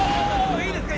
いいですか？